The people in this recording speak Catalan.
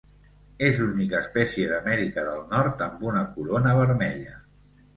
És l'única espècie d'Amèrica del Nord amb una corona vermella.